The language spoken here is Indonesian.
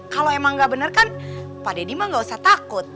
kalo emang ga bener kan pak deddy mah ga usah takut